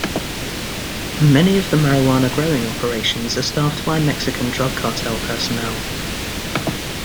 Many of the marijuana growing operations are staffed by Mexican Drug Cartel personnel.